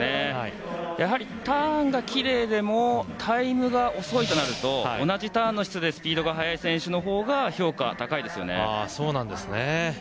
やはりターンがきれいでもタイムが遅いとなると同じターンの質でタイムが早い選手のほうが評価が高いですよね。